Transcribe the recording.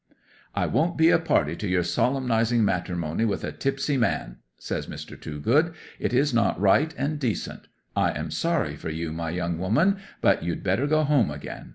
'"I won't be a party to your solemnizing matrimony with a tipsy man," says Mr. Toogood. "It is not right and decent. I am sorry for you, my young woman, but you'd better go home again.